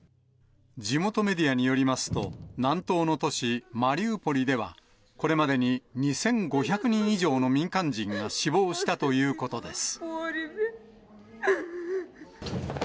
地元メディアによりますと、南東の都市マリウポリでは、これまでに２５００人以上の民間人が死亡したということです。